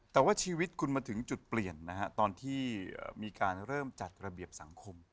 แต่ว่าชีวิตคุณมาถึงจุดเปลี่ยนนะฮะตอนที่มีการเริ่มจัดระเบียบสังคม